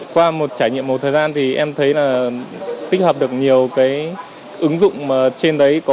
qua trải nghiệm một thời gian thì em thấy là tích hợp được nhiều cái ứng dụng trên đấy